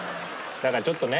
だからちょっとね